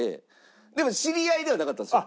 でも知り合いではなかったんですよ。